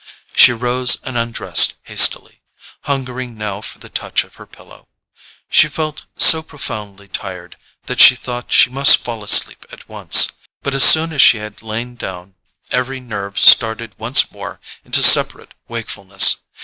She rose and undressed hastily, hungering now for the touch of her pillow. She felt so profoundly tired that she thought she must fall asleep at once; but as soon as she had lain down every nerve started once more into separate wakefulness.